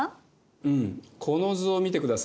うんこの図を見てください。